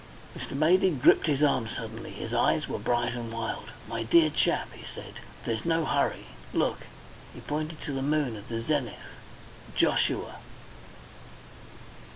Mr. Maydig gripped his arm suddenly. His eyes were bright and wild. "My dear chap," he said, "there's no hurry. Look" he pointed to the moon at the zenith "Joshua!"